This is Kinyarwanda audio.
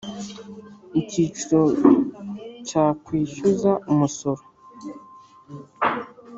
Icyiciro cya Kwishyuza umusoro